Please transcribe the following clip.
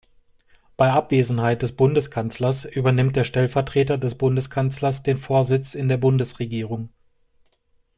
Bei Abwesenheit des Bundeskanzlers übernimmt der Stellvertreter des Bundeskanzlers den Vorsitz in der Bundesregierung.